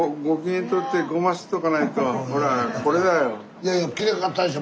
いやいやきれいかったでしょ？